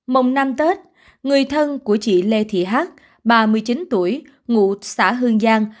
mùng năm tết người thân của chị lê thị hát ba mươi chín tuổi ngụ xã hương giang